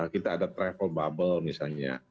kita ada travel bubble misalnya